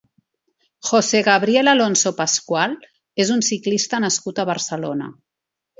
José Gabriel Alonso Pascual és un ciclista nascut a Barcelona.